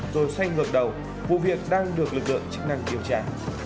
rồi xoay ngược đầu vụ việc đang được lực lượng chức năng điều tra